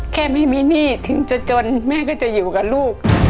แค่ไม่มีหนี้ถึงจะจนแม่ก็จะอยู่กับลูก